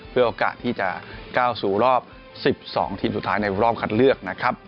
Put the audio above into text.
เพื่อโอกาสที่จะก้าวสู่รอบ๑๒ทีมสุดท้ายในรอบคัดเลือกนะครับ